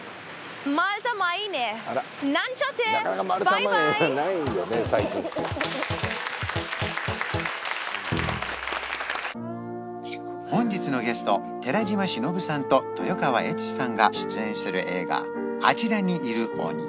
バイバイ本日のゲスト寺島しのぶさんと豊川悦司さんが出演する映画「あちらにいる鬼」